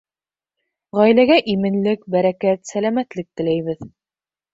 Ғаиләгә именлек, бәрәкәт, сәләмәтлек теләйбеҙ.